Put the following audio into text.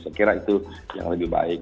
saya kira itu yang lebih baik